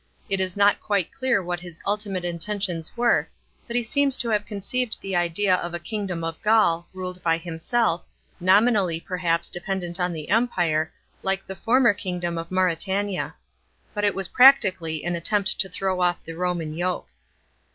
It is not quite clear what his ultimate inten tions were, but he seems to have conceived the idea of a kingdom of Gaul, ruled by himself, nominally perhaps dependent on the Empire, like the former kingdom of Mauretania. But it was practically an attempt to throw off the Roman y"ke.